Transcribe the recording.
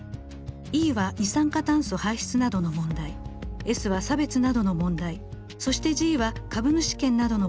Ｅは二酸化炭素排出などの問題Ｓは差別などの問題そしてＧは株主権などの問題を指しています。